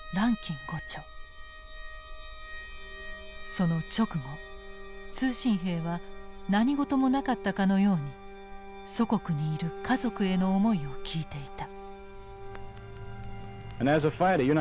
その直後通信兵は何事もなかったかのように祖国にいる家族への思いを聞いていた。